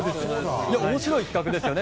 面白い企画ですよね。